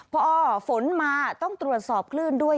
พอฝนมาต้องตรวจสอบคลื่นด้วย